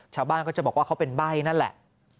ชาวบ้านก็จะบอกว่าเขาเป็นใบ้นั่นแหละ